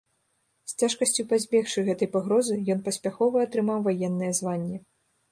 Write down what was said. З цяжкасцю пазбегшы гэтай пагрозы, ён паспяхова атрымаў ваеннае званне.